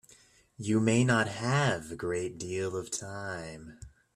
You may not have a great deal of time.